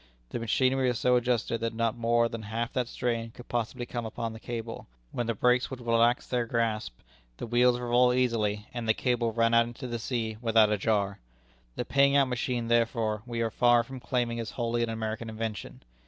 The machinery was so adjusted that not more than half that strain could possibly come upon the cable, when the brakes would relax their grasp, the wheels revolve easily, and the cable run out into the sea without a jar. The paying out machine, therefore, we are far from claiming as wholly an American invention.